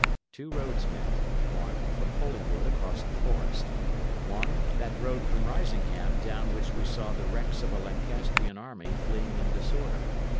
Two roads met: one, from Holywood across the forest; one, that road from Risingham down which we saw the wrecks of a Lancastrian army fleeing in disorder.